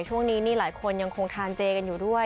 ช่วงนี้นี่หลายคนยังคงทานเจกันอยู่ด้วย